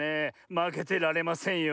まけてられませんよ。